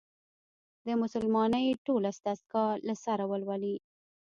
د «مسلمانۍ ټوله دستګاه» له سره ولولي.